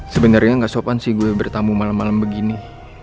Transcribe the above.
sebenarnya tidak sopan sih saya bertamu malam malam begini